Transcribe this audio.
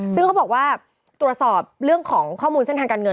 ซึ่งเขาบอกว่าตรวจสอบเรื่องของข้อมูลเส้นทางการเงิน